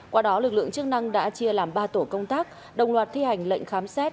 qua đó lực lượng chức năng đã chia làm ba tổ công tác đồng loạt thi hành lệnh khám xét